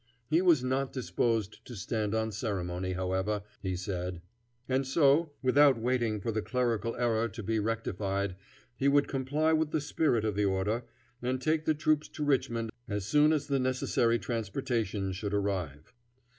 He was not disposed to stand on ceremony, however, he said; and so, without waiting for the clerical error to be rectified, he would comply with the spirit of the order, and take the troops to Richmond as soon as the necessary transportation should arrive.